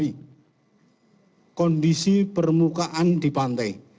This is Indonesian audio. ini kondisi permukaan di pantai